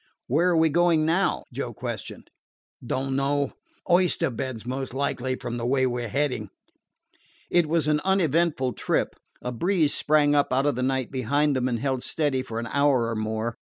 "Where are we going now?" Joe questioned. "Don't know; oyster beds most likely, from the way we 're heading." It was an uneventful trip. A breeze sprang up out of the night behind them, and held steady for an hour or more.